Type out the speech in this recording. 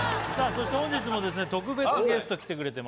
そして本日もですね特別ゲスト来てくれてます